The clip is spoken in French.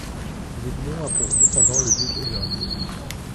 Zebulon a pour descendant le juge Elon.